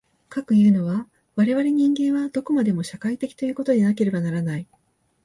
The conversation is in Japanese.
かくいうのは、我々人間はどこまでも社会的ということでなければならない。